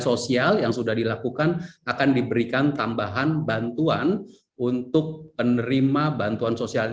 sosial yang sudah dilakukan akan diberikan tambahan bantuan untuk penerima bantuan sosial